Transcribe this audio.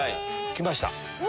きました！